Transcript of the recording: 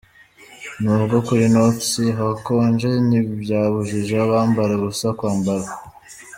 Nubwo kuri North Sea hakonje ntibyabujije abambara ubusa kubwambara.